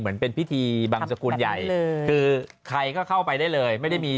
เริ่มเป็นจะแ่งพี่